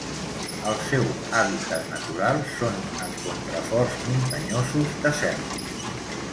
El seu hàbitat natural són en contraforts muntanyosos desèrtics.